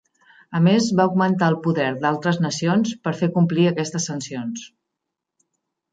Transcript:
A més, va augmentar el poder d'altres nacions per fer complir aquestes sancions.